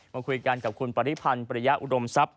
มาคุยกันกับคุณปริพันธ์ปริยะอุดมทรัพย